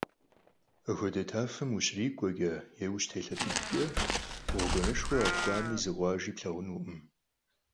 Апхуэдэ тафэм ущрикӀуэкӀэ е ущытелъэтыкӀкӀэ, гъуэгуанэшхуэ къэпкӀуами, зы къуажи плъагъункъым.